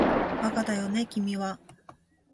バカだよね君は